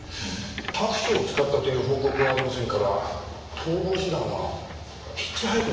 タクシーを使ったという報告はありませんから逃亡手段はヒッチハイクの類いでしょうか。